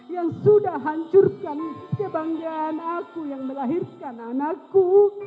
yang sudah hancurkan kebanggaan aku yang melahirkan anakku